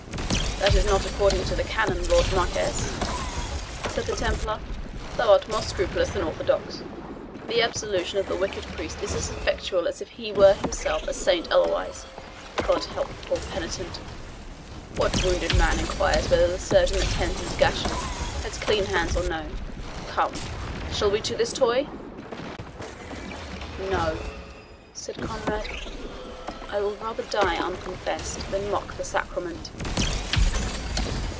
"That is not according to the canon, Lord Marquis," said the Templar; "thou art more scrupulous than orthodox. The absolution of the wicked priest is as effectual as if he were himself a saint otherwise, God help the poor penitent! What wounded man inquires whether the surgeon that tends his gashes has clean hands or no? Come, shall we to this toy?" "No," said Conrade, "I will rather die unconfessed than mock the sacrament."